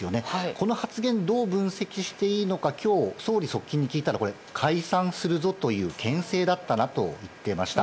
この発言をどう分析していいのか今日、総理側近に聞いたらこれは解散するぞという牽制だったなと言っていました。